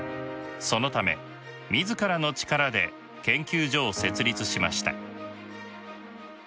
そのため自らの力で研究所を設立しました。